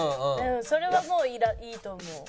それはもういいと思う。